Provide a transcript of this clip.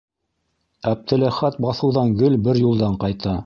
Әптеләхәт баҫыуҙан гел бер юлдан ҡайта.